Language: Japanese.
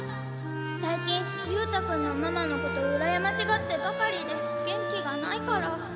最近勇太君のママのことうらやましがってばかりで元気がないから。